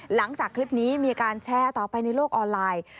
หลังจากคลิปนี้มีการแชร์ต่อไปในโลกออนไลน์